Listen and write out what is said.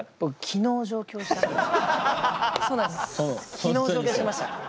昨日上京しました。